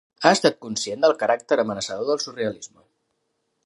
Ha estat conscient del caràcter amenaçador del surrealisme.